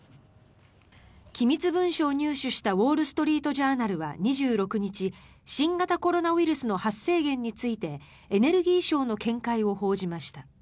機密文書を入手したウォール・ストリート・ジャーナルは２６日新型コロナウイルスの発生源についてエネルギー省の見解を報じました。